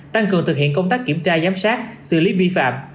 tăng cường thực hiện công tác kiểm tra giám sát xử lý vi phạm